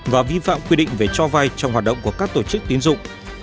và vi phạm quy định về cho vay trong hoạt động của các tổ chức tiến dụng